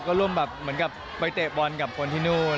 ก็ร่วมแบบเหมือนกับไปเตะบอลกับคนที่นู่น